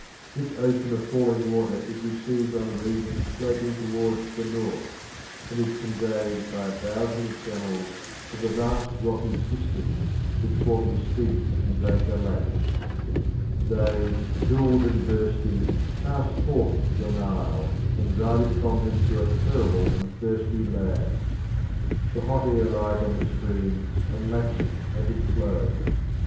This ocean of falling water is received on a region sloping towards the north, and is conveyed by a thousand channels to the vast rocky cisterns which form the Speke and Baker Lakes. [Lakes Victoria and Albert] They, filled and bursting, cast forth the Nile, and drive it from them through a terrible and thirsty land. The hot air lies on the stream and laps it as it flows.